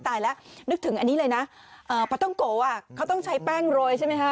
ตายแล้วนึกถึงอันนี้เลยนะปลาต้องโกะเขาต้องใช้แป้งโรยใช่ไหมคะ